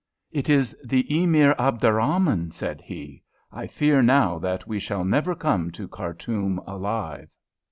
"It is the Emir Abderrahman," said he. "I fear now that we shall never come to Khartoum alive."